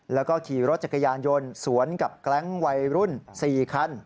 แล้วก็ขี่รถจักรยานยนต์สวนกับแก๊งวัยรุ่น๔คัน